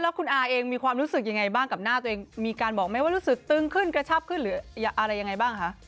แล้วคุณอาเองมีความรู้สึกยังไงบ้างกับหน้าตัวเองมีการบอกไหมว่ารู้สึกตึงขึ้นกระชับขึ้นหรืออะไรยังไงบ้างคะ